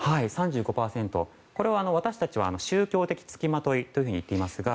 これは私たちは、宗教的付きまといと言っていますが。